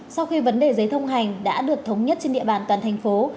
sau khi vấn đề giấy thông hành đã được thống nhất trên địa bàn toàn thành phố